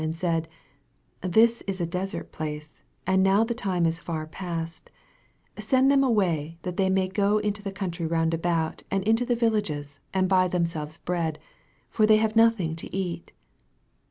and said, This is a desert place, ana now the time is far passed : 36 Send them away that they may go into the country round about, and into the villages, and buy themselves bread : for they have nothing to eat.